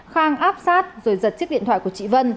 khang áp sát rồi giật chiếc điện thoại của chị vân